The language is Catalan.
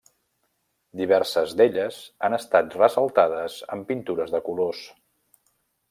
Diverses d'elles han estat ressaltades amb pintures de colors.